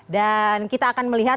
dan kita akan melihat